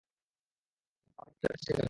আমাকে তিয়ামুতের কাছে যেতে হবে।